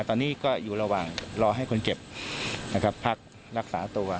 ตอนนี้ก็อยู่ระหว่างรอให้คนเจ็บนะครับพักรักษาตัว